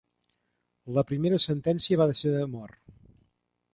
La primera sentència va ser de mort.